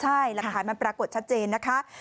ใช่หลักฐานมันปรากฏชัดเจนนะคะ